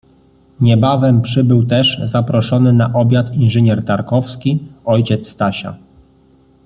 Niebawem przybył też zaproszony na obiad inżynier Tarkowski, ojciec Stasia.